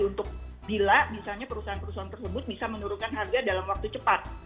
untuk bila misalnya perusahaan perusahaan tersebut bisa menurunkan harga dalam waktu cepat